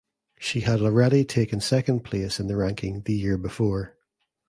She had already taken second place in the ranking the year before.